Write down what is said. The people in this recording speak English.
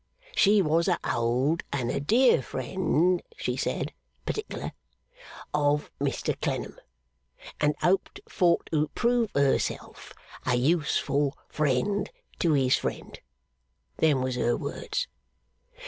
She was a old and a dear friend, she said particular, of Mr Clennam, and hoped for to prove herself a useful friend to his friend. Them was her words.